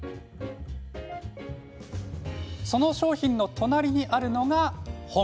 その商品の隣にあるのが本。